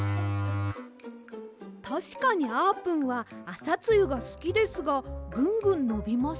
たしかにあーぷんはあさつゆがすきですがぐんぐんのびませんよ。